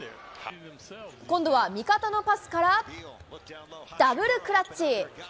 今度は味方のパスからダブルクラッチ。